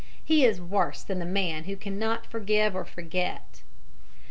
He is worse than the man who cannot forgive or forget.